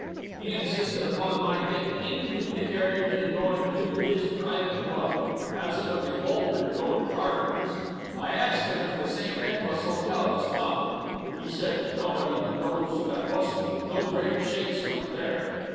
He insisted upon my gittin' intu the carriage and goin' tu his private dwellin', as it would be vulgar tu go tu tarverns. I asked him if the St. Nicholas Hotel was common. He said that nobody but those that wasn't no great shakes went there.